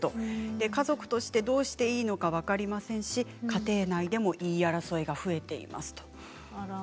家族としてどうしていいのか分かりませんし、家庭内でも言い争いが増えています。